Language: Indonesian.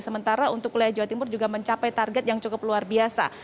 sementara untuk wilayah jawa timur juga mencapai target yang cukup luar biasa